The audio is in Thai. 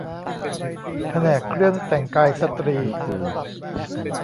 แผนกเครื่องแต่งกายสตรี